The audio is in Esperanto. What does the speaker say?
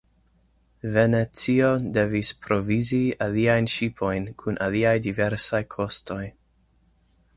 Venecio devis provizi aliajn ŝipojn kun aliaj diversaj kostoj.